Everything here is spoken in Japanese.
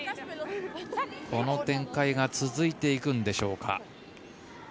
この展開が続いていくんでしょうか。